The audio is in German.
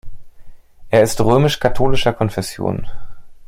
Er ist römisch-katholischer Konfession.